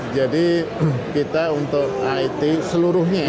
jadi kita untuk it seluruhnya ya